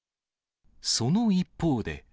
その一方で。